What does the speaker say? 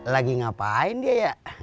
lagi ngapain dia ya